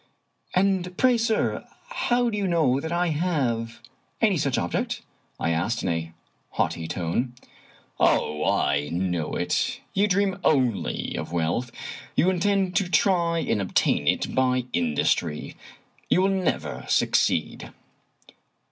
" And pray, sir, how do you know that I have any such object? " I asked in a haughty tone. " Oh, I know it. You dream only of wealth. You in tend to try and obtain it by industry. You will never suc ceed."